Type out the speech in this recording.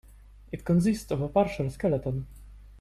It consists of a partial skeleton.